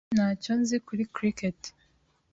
Ntacyo nzi kuri cricket.